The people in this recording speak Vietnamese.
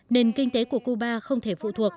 nên kinh tế của cuba không thể phụ thuộc